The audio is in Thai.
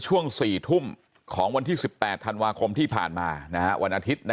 ช่วง๔ทุ่มของวันที่๑๘ธันวาคมที่ผ่านมาวันอาทิตย์